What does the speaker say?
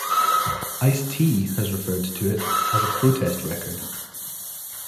Ice-T has referred to it as a protest record.